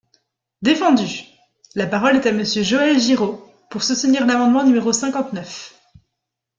Défendu ! La parole est à Monsieur Joël Giraud, pour soutenir l’amendement numéro cinquante-neuf.